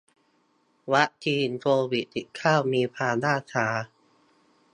วัคซีนโควิดสิบเก้ามีความล่าช้า